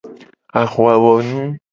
Ahuawonu.